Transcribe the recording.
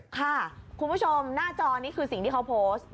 คุณผู้ชมหน้าจอนี้คือสิ่งที่เขาโพสต์